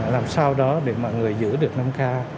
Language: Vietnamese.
làm sao đó để mọi người giữ được năm ca